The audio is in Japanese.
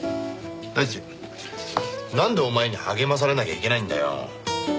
第一なんでお前に励まされなきゃいけないんだよ。